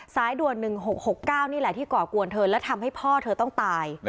สายด่วน๑๖๖๙นี่แหละที่ก่อกวนเธอและทำให้พ่อเธอต้องตาย